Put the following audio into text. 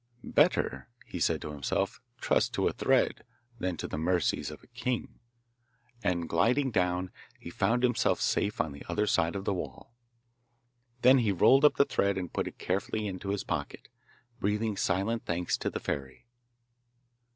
'Better,' he said to himself, 'trust to a thread than to the mercies of a king;' and, gliding down, he found himself safe on the other side of the wall. Then he rolled up the thread and put it carefully into his pocket, breathing silent thanks to the fairy.